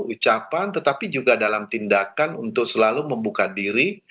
ucapan tetapi juga dalam tindakan untuk selalu membuka diri